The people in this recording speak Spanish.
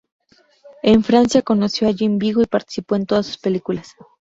En Francia conoció a Jean Vigo, y participó en todas sus películas.